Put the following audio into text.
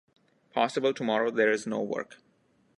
Possible tomorrow there is no work.